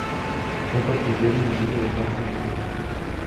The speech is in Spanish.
Fue partidario y amigo de Martin Luther King.